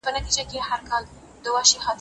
ارواپوهنه پر فردي احساساتو ټینګار کوي.